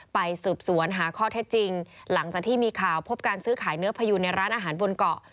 ไปสืบสวนหาข้อเท็จจริงหลังจากที่มีข่าวพบการซื้อขายเนื้อพยูนในร้านอาหารบนเกาะ